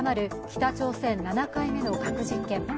北朝鮮７回目の核実験。